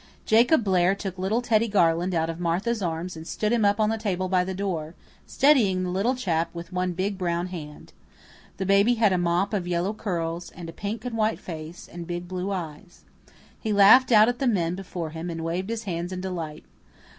Jacob Blair took little Teddy Garland out of Martha's arms and stood him up on the table by the door, steadying the small chap with one big brown hand. The baby had a mop of yellow curls, and a pink and white face, and big blue eyes. He laughed out at the men before him and waved his hands in delight.